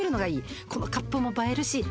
このカップも映えるし。